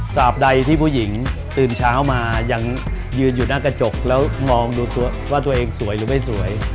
ใดที่ผู้หญิงตื่นเช้ามายังยืนอยู่หน้ากระจกแล้วมองดูว่าตัวเองสวยหรือไม่สวย